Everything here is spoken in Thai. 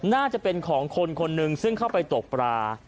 น่าจะเป็นของคน๑๕๑ซึ่งเข้าไปตกปลา